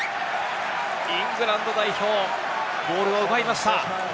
イングランド代表、ボールを奪いました。